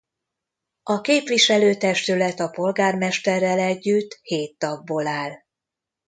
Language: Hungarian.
A képviselőtestület a polgármesterrel együtt hét tagból áll.